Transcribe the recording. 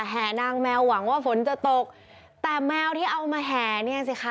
แห่นางแมวหวังว่าฝนจะตกแต่แมวที่เอามาแห่เนี่ยสิคะ